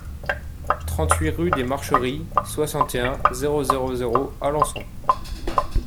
trente-huit rue des Marcheries, soixante et un, zéro zéro zéro, Alençon